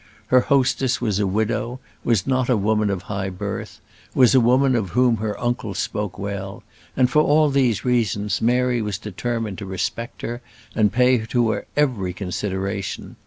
Her hostess was a widow, was not a woman of high birth, was a woman of whom her uncle spoke well; and, for all these reasons, Mary was determined to respect her, and pay to her every consideration.